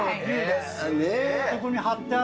そこに貼ってある。